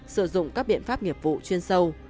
sử dụng các biện pháp nghiệp vụ chuyên sâu